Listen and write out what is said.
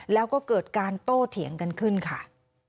แล้วก็เกิดการโต้เถียงกันขึ้นค่ะ